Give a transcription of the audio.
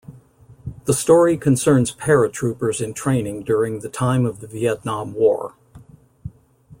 The story concerns paratroopers in training during the time of the Vietnam war.